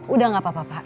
udah gak apa apa pak